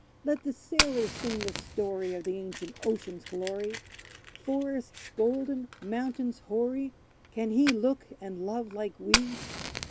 Let the sailor sing the story of the ancient ocean's glory, Forests golden, mountains hoary can he look and love like we?